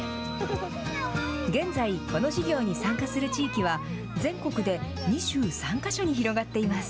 現在、この事業に参加する地域は、全国で２３か所に広がっています。